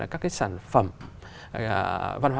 các sản phẩm văn hóa